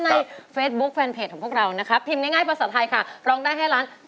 เพลงที่เจ็ดเพลงที่แปดแล้วมันจะบีบหัวใจมากกว่านี้